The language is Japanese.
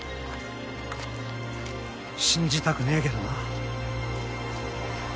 信じたくねえけどな。